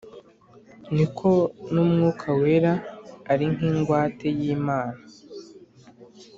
ni ko n'Umwuka Wera ari nk'ingwate y'Imana